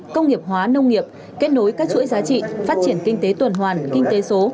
công nghiệp hóa nông nghiệp kết nối các chuỗi giá trị phát triển kinh tế tuần hoàn kinh tế số